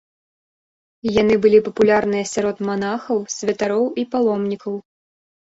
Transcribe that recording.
Яны былі папулярныя сярод манахаў, святароў і паломнікаў.